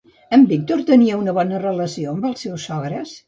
En Víctor tenia una bona relació amb els seus sogres?